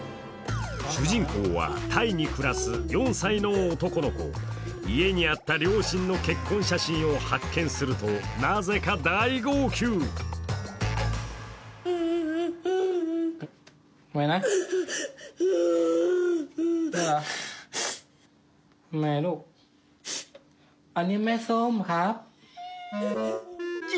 主人公はタイに暮らす４歳の男の子家にあった両親の結婚写真を発見すると、なぜか大号泣など涙の追及。